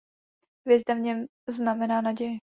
Hvězda v něm znamená naději.